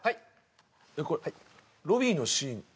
えっこれロビーのシーン